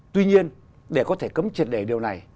tuy nhiên để có thể cấm triệt đề điều này